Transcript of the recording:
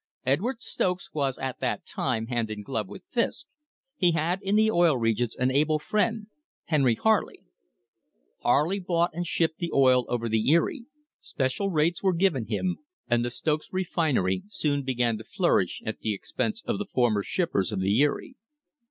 Edward Stokes was at that time hand in glove with Fisk; he had in the Oil Regions an able friend, Henry Harley. Harley bought THE FIGHT FOR THE SEABOARD PIPE LINE and shipped the oil over the Erie; special rates were given him, and the Stokes refinery soon began to flourish at the ex pense of the former shippers of the Erie.